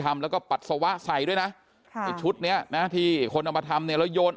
ทำแล้วก็ปัดสวะใส่ด้วยนะชุดนี้นะที่คนน่ามาทำเนี่ยโยน